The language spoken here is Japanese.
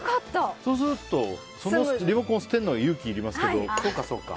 そうするとリモコンを捨てるのは勇気いりますけど。